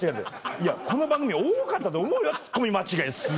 いやこの番組多かったと思うよツッコミ間違いすごい。